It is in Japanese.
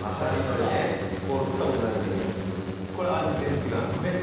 俺、食った事ないんだけどこれ、味、全然違うの？